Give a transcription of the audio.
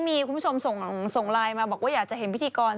มีคุณผู้ชมส่งไลน์มาบอกว่าอยากจะเห็นพิธีกร